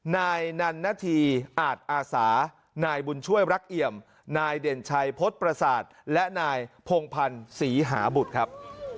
นายนันนาธีอาจอาสานายบุญช่วยรักเอี่ยมนายเด่นชัยพฤษประสาทและนายพงพันธ์ศรีหาบุตรครับ